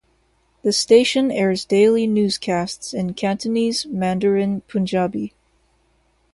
The station airs daily newscasts in Cantonese, Mandarin, Punjabi.